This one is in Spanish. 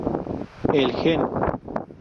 El Gen.